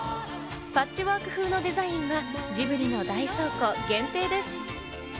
パッチワーク風のデザインがジブリの大倉庫限定です。